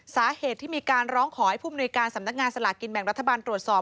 สาเหตุที่มีการร้องขอให้ผู้มนุยการสำนักงานสลากินแบ่งรัฐบาลตรวจสอบ